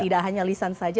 tidak hanya lisan saja